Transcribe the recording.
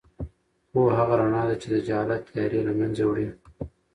پوهه هغه رڼا ده چې د جهالت تیارې له منځه وړي.